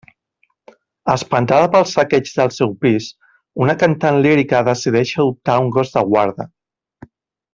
Espantada pel saqueig del seu pis, una cantant lírica decideix adoptar un gos de guarda.